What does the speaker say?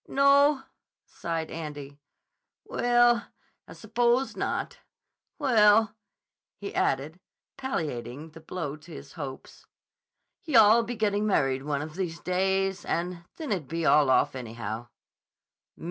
"No?" sighed Andy. "Well, I s'pose not. Well," he added, palliating the blow to his hopes, "yah'll be gettin' married one of these days, and then it'd be all off, anyhow."